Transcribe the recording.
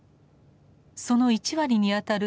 その１割にあたる